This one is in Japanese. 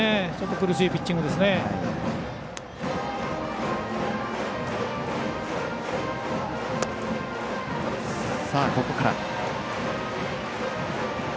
苦しいピッチングですね。